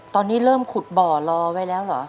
ตอนนี้เริ่มขุดบ่อรอไว้แล้วเหรอ